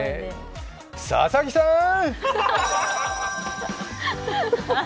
佐々木さーん！